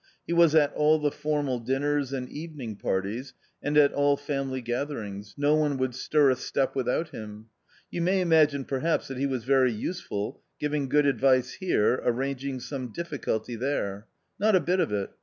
He was at all the formal dinners and evening parties and at all family gatherings ; no one would stir a step without him. You may imagine perhaps that he was very useful, giving good advice here, arranging some difficulty there. Not a bit of it